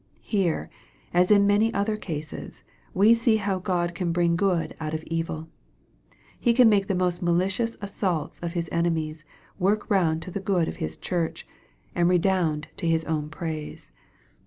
Here, as in many other cases, we see how God can bring good out of evil He can make the most malicious assaults of His enemies work round to the good of His church, and redound to His own praise.